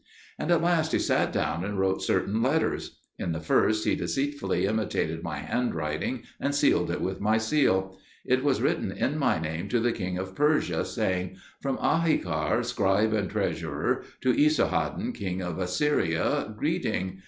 And at last he sat down and wrote certain letters. In the first he deceitfully imitated my handwriting, and sealed it with my seal. It was written in my name to the king of Persia, saying, "From Ahikar, scribe and treasurer to Esar haddon, king of Assyria, greeting!